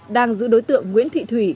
đang giữ đối tượng nguyễn thị thủy